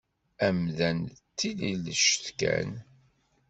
Amdan d tililect kan.